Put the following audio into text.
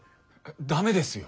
ダメですよ！